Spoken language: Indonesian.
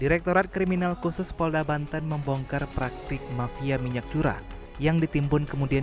direktorat kriminal khusus polda banten membongkar praktik mafia minyak curah yang ditimbun kemudian